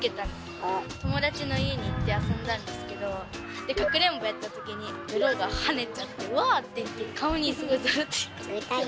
友達の家に行って遊んだんですけどでかくれんぼやったときに泥がはねちゃってわあって言って顔にすごい泥ついちゃって。